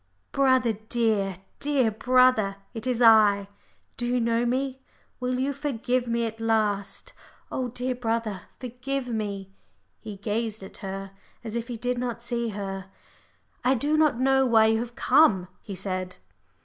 "Brother, dear, dear brother, it is I. Do you know me will you forgive me at last? Oh, dear, dear brother, forgive me." He gazed at her as if he did not see her. "I do not know why you have come," he said.